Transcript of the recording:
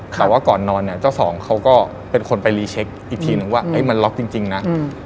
แต่ว่าก่อนนอนเนี่ยเจ้าสองเขาก็เป็นคนไปรีเช็คอีกทีนึงว่ามันล็อกจริงนะ